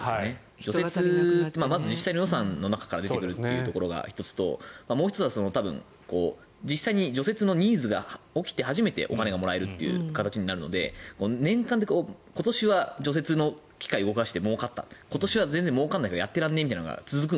除雪、自治体の予算の中から出てくるというのが１つともう１つは実際に除雪のニーズが起きて初めてお金がもらえるという形になるので年間で今年は除雪車の機械を動かしてもうかった今年はもうからないということがある。